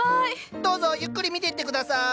どうぞゆっくり見ていって下さい！